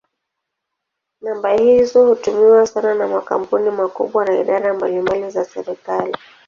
Namba hizo hutumiwa sana na makampuni makubwa na idara mbalimbali za serikali.